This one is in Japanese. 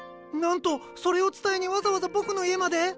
なんとそれを伝えにわざわざ僕の家まで？